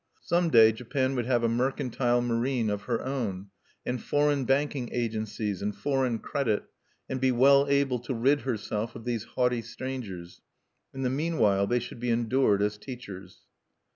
Some day Japan would have a mercantile marine of her own, and foreign banking agencies, and foreign credit, and be well able to rid herself of these haughty strangers: in the meanwhile they should be endured as teachers.